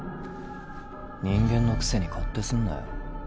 人間のくせに勝手すんなよ。